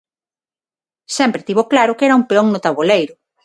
Sempre tivo claro que era un peón no taboleiro.